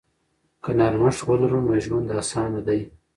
که نرمښت ولرو نو ژوند اسانه دی.